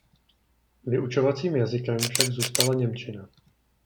Vyučovacím jazykem však zůstala němčina.